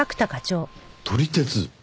撮り鉄？